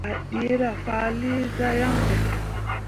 A ɗeera faali zah yaŋ ɓe.